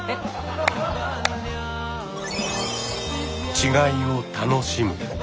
「違いを楽しむ」